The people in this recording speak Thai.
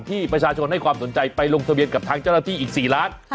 ที่ประชาชนให้ความสนใจไปลงทะเบียนกับทางเจ้าหน้าที่อีก๔ล้าน